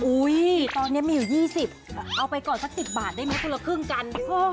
ตอนนี้มีอยู่๒๐เอาไปก่อนสัก๑๐บาทได้ไหมคนละครึ่งกัน